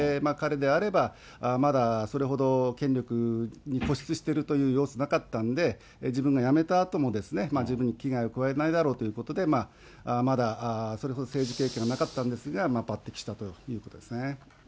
彼であれば、まだそれほど権力に固執してるという様子なかったんで、自分が辞めたあともですね、自分に危害を加えないだろうということで、まだそれほど政治経験がなかったんですが、抜てきしたということですね。